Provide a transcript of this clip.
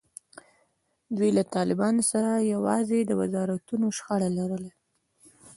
دوی له طالبانو سره یوازې د وزارتونو شخړه لري.